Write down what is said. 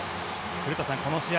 古田さん、この試合